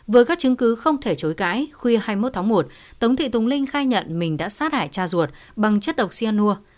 với các chứng cứ không thể chối cãi khuya hai mươi một tháng một tống thị tùng linh khai nhận mình đã sát hại cha ruột bằng chất độc cyanur